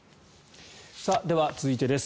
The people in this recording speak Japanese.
では続いてです。